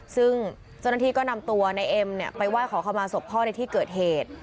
ซึ่งจนทีก็นำตัวในเอ็มเนี่ยไปไหว้ขอขอมาศพพ่อในที่เกิดเหตุ